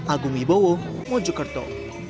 agung ibowo mojokerto